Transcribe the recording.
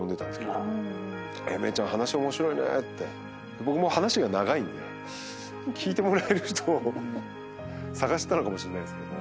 僕も話が長いので聞いてもらえる人を探してたのかもしんないですけど。